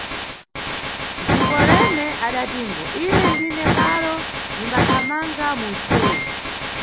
Ndipo Rene adatimbo: Ine ndine karo, nimbathamanga munʼsewu.